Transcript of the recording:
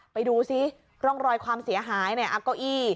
ไปดูซิรองรอยความเสียหายในะ้อโก้ย